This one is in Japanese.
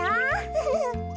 フフフン。